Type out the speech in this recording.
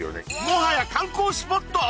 もはや観光スポット！？